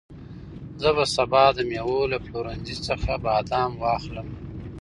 زه به سبا د مېوو له پلورنځي څخه بادام واخلم.